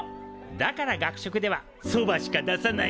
だから学食では「そば」しか出さないの。